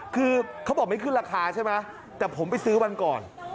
คือเขาบอกไม่ขึ้นราคาใช่ไหมแต่ผมไปซื้อวันก่อน